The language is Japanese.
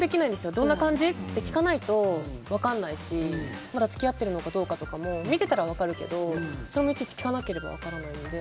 どんな感じ？って聞かないと分かんないしまだ付き合ってるのかどうかも見てたら分かるけどそれもいちいち聞かなければ分からないので。